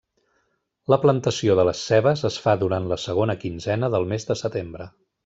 La plantació de les cebes es fa durant la segona quinzena del mes de setembre.